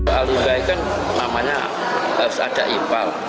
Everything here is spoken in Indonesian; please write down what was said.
hal limbah itu kan namanya harus ada ipal